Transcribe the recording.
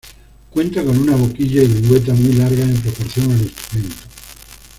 Cuenta con una boquilla y lengüeta muy largas en proporción al instrumento.